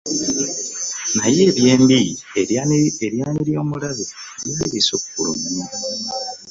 Naye eby'embi eryanyi ly'omulabe lyali lisukkulumye.